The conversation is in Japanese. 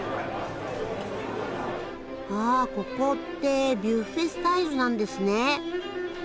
あここってビュッフェスタイルなんですね。